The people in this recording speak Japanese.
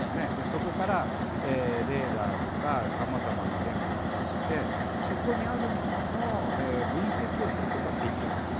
そこからレーダーとかさまざまな電波を出してそこにあるものの分析をすることはできるわけです。